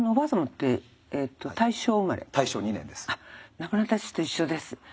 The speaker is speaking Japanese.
亡くなった父と一緒です。